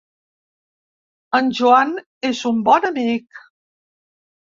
En Joan és un bon amic.